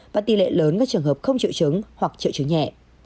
và tỷ lệ lớn các trường hợp không triệu chứng hoặc triệu chứng nhẹ